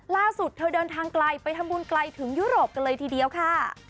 เธอเดินทางไกลไปทำบุญไกลถึงยุโรปกันเลยทีเดียวค่ะ